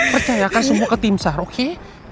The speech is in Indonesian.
percayakan semua ke timsar oke